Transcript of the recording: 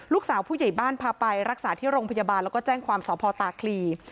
ผู้ใหญ่บ้านพาไปรักษาที่โรงพยาบาลแล้วก็แจ้งความสพตาคลี